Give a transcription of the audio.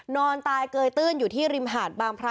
นอนตายเกยตื้นอยู่ที่ริมหาดบางพระ